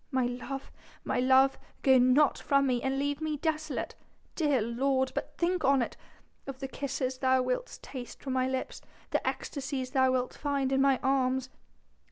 My love ... my love, go not from me, and leave me desolate.... Dear lord, but think on it of the kisses thou wilt taste from my lips the ecstasies thou wilt find in my arms!...